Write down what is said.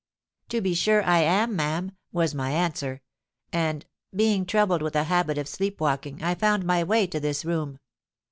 '—'To be sure I am, ma'am,' was my answer; 'and, being troubled with a habit of sleep walking, I found my way to this room.'